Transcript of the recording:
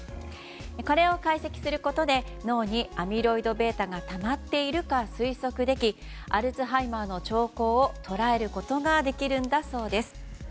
これを解析することで脳にアミロイドβがたまっているか推測できアルツハイマーの兆候を捉えることができるんだそうです。